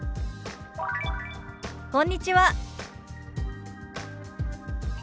「こんにちは」。